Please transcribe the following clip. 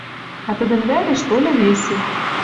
А тӹдӹн вӓреш тольы весӹ